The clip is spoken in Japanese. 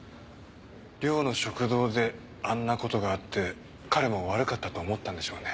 寮の食堂であんなことがあって彼も悪かったと思ったんでしょうね。